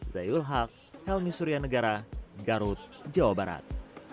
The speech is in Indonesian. zaiul haq helmi surya negara garut jawa barat